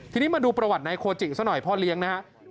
ทีนี้มาดูประวัตินายโคจิซะหน่อยพ่อเลี้ยงนะฮะ